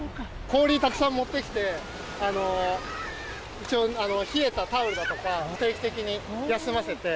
氷たくさん持ってきて、一応冷えたタオルだとか、定期的に休ませて。